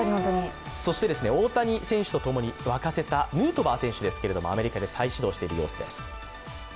大谷選手とともに沸かせたヌートバー選手ですけども、アメリカで再始動している様子です。